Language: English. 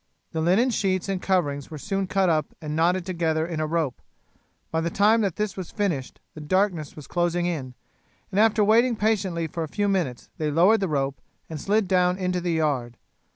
The linen sheets and coverings were soon cut up and knotted together in a rope. By the time that this was finished the darkness was closing in, and after waiting patiently for a few minutes they lowered the rope and slid down into the yard.